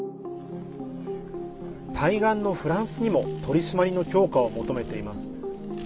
対岸のフランスにも取り締まりの強化を求めています。